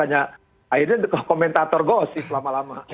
hanya akhirnya komentator gosih selama lama